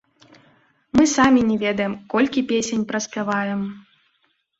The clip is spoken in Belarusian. Мы самі не ведаем, колькі песень праспяваем.